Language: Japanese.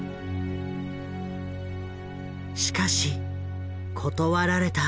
しかし断られた。